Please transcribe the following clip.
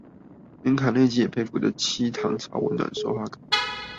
連卡內基也佩服的七堂超溫暖說話課